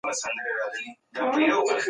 که تشریح وي نو ابهام نه پاتې کیږي.